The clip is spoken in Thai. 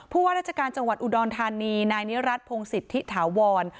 ว่าราชการจังหวัดอุดรธานีนายนิรัติพงศิษฐิถาวร